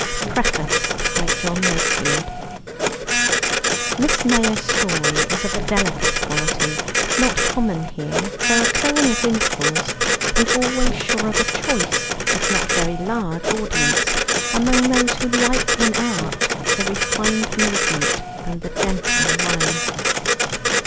M. Mayor 1913 PREFACE Miss Mayor's story is of a delicate quality, not common here, though occurring at intervals, and always sure of a choice, if not very large, audience among those who like in art the refined movement and the gentle line.